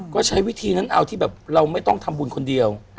ก็ใช้วิธีนั้นเอาที่แบบเราไม่ต้องทำบุญคนเดียว